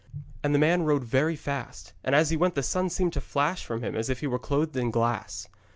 And the man rode very fast, and as he went the sun seemed to flash from him as if he was clothed in glass.